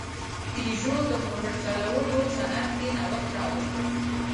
پيژو د موټر جوړولو صنعت کې نوښت راوست.